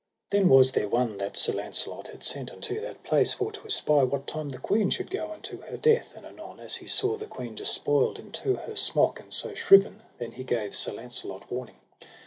Then was there one that Sir Launcelot had sent unto that place for to espy what time the queen should go unto her death; and anon as he saw the queen despoiled into her smock, and so shriven, then he gave Sir Launcelot warning.